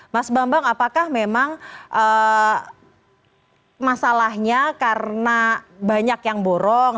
mas bambang apakah memang masalahnya karena banyak yang borong